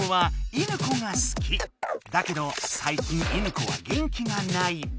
だけど最近犬子は元気がない。